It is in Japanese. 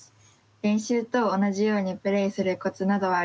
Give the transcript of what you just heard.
練習と同じようにプレーするコツなどはありますか？